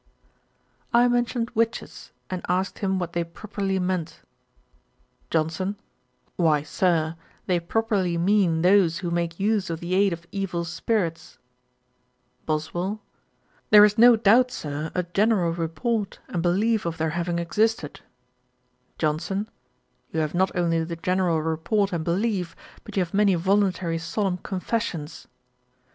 I mentioned witches, and asked him what they properly meant. JOHNSON. 'Why, Sir, they properly mean those who make use of the aid of evil spirits.' BOSWELL. 'There is no doubt, Sir, a general report and belief of their having existed.' JOHNSON. 'You have not only the general report and belief, but you have many voluntary solemn confessions.'